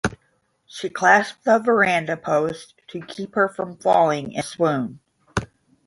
She clasped the verandah post to keep her from falling in a swoon.